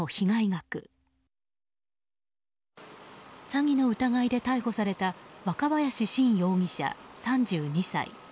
詐欺の疑いで逮捕された若林真容疑者、３２歳。